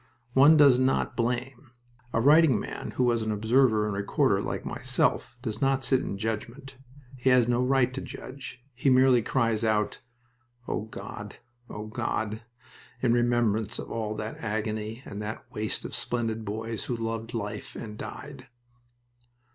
One does not blame. A writing man, who was an observer and recorder, like myself, does not sit in judgment. He has no right to judge. He merely cries out, "O God!... O God!" in remembrance of all that agony and that waste of splendid boys who loved life, and died.